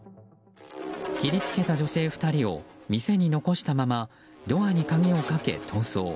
切りつけた女性２人を店に残したままドアに鍵をかけ逃走。